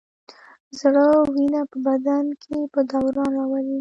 زړه وینه په بدن کې په دوران راولي.